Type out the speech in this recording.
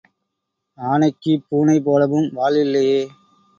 ஆனைக்குப் பூனை போலவும் வால் இல்லையே!